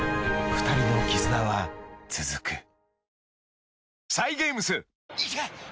２人の絆は続く。